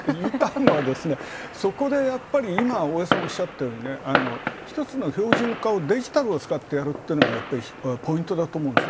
そこで、やっぱり、今、大江さんがおっしゃったようにひとつの標準化をデジタルを使ってやるのが、ポイントだと思うんです。